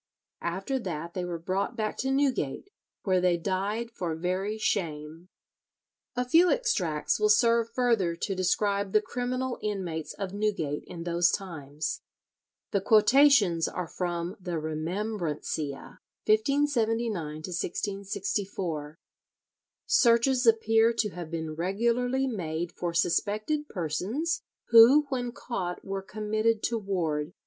After that they were brought back to Newgate, where they died for very shame. A few extracts will serve further to describe the criminal inmates of Newgate in those times. The quotations are from the "Remembrancia," 1579 1664. Searches appear to have been regularly made for suspected persons, who when caught were committed to ward.